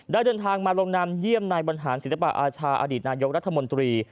เดินทางมาลงนามเยี่ยมนายบรรหารศิลปะอาชาอดีตนายกรัฐมนตรี